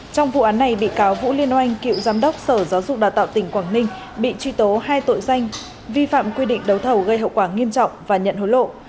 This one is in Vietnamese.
trong vụ án này bị cáo vũ liên oanh cựu giám đốc sở giáo dục đào tạo tỉnh quảng ninh bị truy tố hai tội danh vi phạm quy định đấu thầu gây hậu quả nghiêm trọng và nhận hối lộ